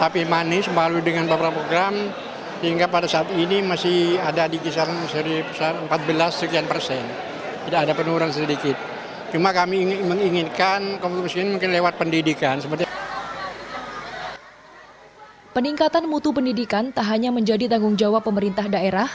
peningkatan mutu pendidikan tak hanya menjadi tanggung jawab pemerintah daerah